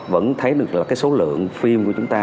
vẫn thấy được là cái số lượng phim của chúng ta